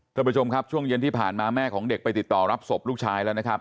ท่านผู้ชมครับช่วงเย็นที่ผ่านมาแม่ของเด็กไปติดต่อรับศพลูกชายแล้วนะครับ